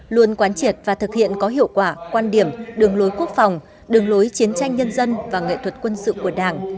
luôn quán triệt và thực hiện có hiệu quả quan điểm đường lối quốc phòng đường lối chiến tranh nhân dân và nghệ thuật quân sự của đảng